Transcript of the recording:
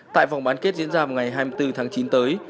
tại vòng bán kết diễn ra vào ngày hai mươi bốn tháng chín tới